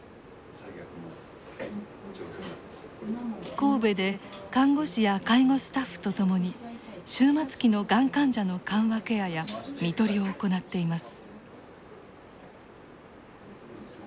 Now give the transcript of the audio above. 神戸で看護師や介護スタッフと共に終末期のがん患者の緩和ケアや看取りを行っています。